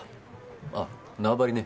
あっ縄張ね。